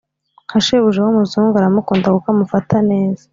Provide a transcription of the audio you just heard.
nka shebuja wumuzungu aramukunda kuko amufata neza